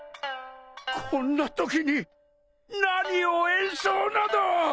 こんなときに何を演奏など！